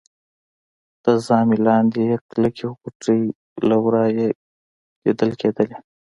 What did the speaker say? د ژامې لاندې يې کلکې غوټې له ورایه لیدل کېدلې